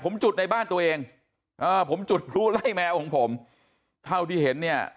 ผมจุดในบ้านตัวเองอ่าผมจุดพลุไล่แมวของผมเท่าที่เห็นเนี่ย